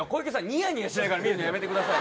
ニヤニヤしながら見るのやめて下さい。